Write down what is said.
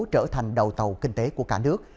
trở thành đầu tàu kinh tế của cả nước